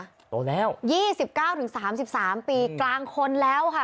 โตแล้วยี่สิบเก้าถึงสามสิบสามปีกลางคนแล้วค่ะ